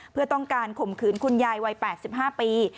เพื่อต้องการข่มขืนคุณยายวัย๘๕ปี